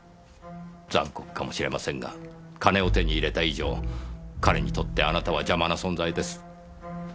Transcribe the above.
残酷かもしれませんが金を手に入れた以上彼にとってあなたは邪魔な存在です。